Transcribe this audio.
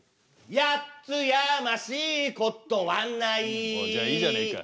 ８つやましいことはないじゃあいいじゃねえか。